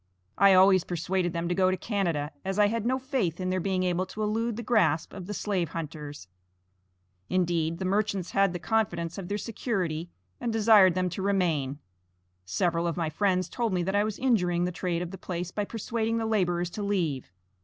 I always persuaded them to go to Canada, as I had no faith in their being able to elude the grasp of the slave hunters. Indeed, the merchants had the confidence of their security and desired them to remain; several of my friends told me that I was injuring the trade of the place by persuading the laborers to leave.